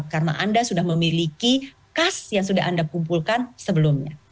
karena anda sudah memiliki kas yang sudah anda kumpulkan sebelumnya